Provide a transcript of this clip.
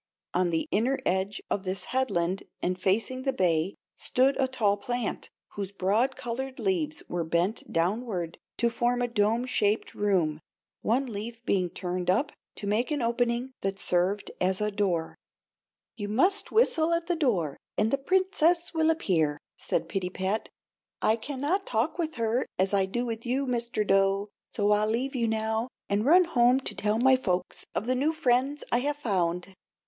On the inner edge of this headland and facing the bay stood a tall plant, whose broad colored leaves were bent downward to form a dome shaped room, one leaf being turned up to make an opening that served as a door. "You must whistle at the door, and the Princess will appear," said Pittypat. "I cannot talk with her as I do with you, Mr. Dough; so I'll leave you now, and run home to tell my folks of the new friends I have found."